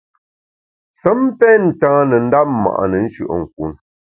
Sem pen ntane ndap ma’ne nshùe’nkun.